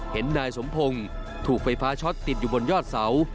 เห็นนายสมพงศ์ถูกไฟฟ้าช็อตติดอยู่บนยอดเสา